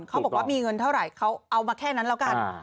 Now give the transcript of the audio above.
เขาบอกว่ามีเงินเท่าไหร่เขาเอามาแค่นั้นแล้วกัน